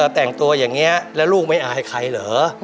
แต่งตัวอย่างนี้แล้วลูกไม่อายใครเหรอ